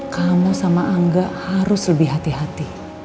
kamu sama angga harus lebih hati hati